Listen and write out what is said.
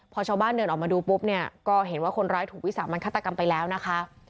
พอชาวบ้านเดินออกมาดูปุ๊บเนี่ยก็เห็นว่าคนร้ายถูกวิสามันฆาตกรรมไปแล้วนะคะ